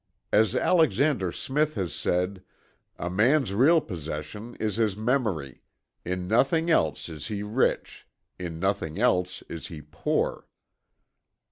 As Alexander Smith has said: "A man's real possession is his memory; in nothing else is he rich; in nothing else is he poor."